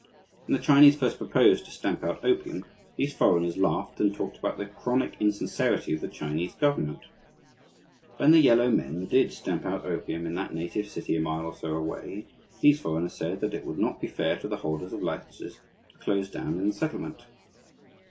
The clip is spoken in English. When the Chinese first proposed to stamp out opium, these foreigners laughed, and talked about the chronic insincerity of the Chinese government. When the yellow men did stamp out opium in that native city a mile or so away, these foreigners said that it would not be fair to the holders of licenses to close down in the settlement.